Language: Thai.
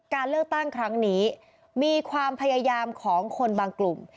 การเลือกตั้งครั้งนี้มีความพยายามของคนบางกลุ่ม